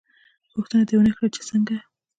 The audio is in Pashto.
_ پوښتنه دې ونه کړه چې څنګه؟